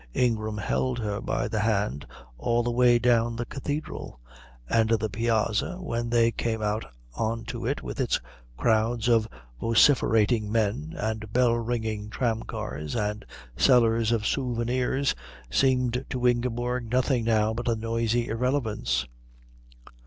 Ingram held her by the hand all the way down the Cathedral, and the piazza when they came out on to it with its crowds of vociferating men and bell ringing tramcars and sellers of souvenirs seemed to Ingeborg nothing now but a noisy irrelevance.